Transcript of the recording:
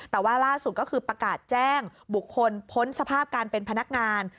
แต่ว่าล่าสุดก็คือประกาศแจ้งบุคคลพ้นสภาพการเป็นพนักงาน